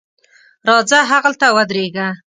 راځه هغلته ودرېږه.